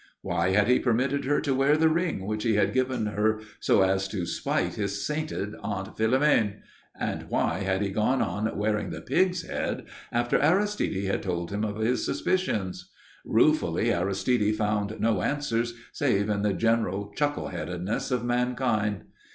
Why had he permitted her to wear the ring which he had given her so as to spite his sainted Aunt Philomène? And why had he gone on wearing the pig's head after Aristide had told him of his suspicions? Ruefully Aristide found no answers save in the general chuckle headedness of mankind.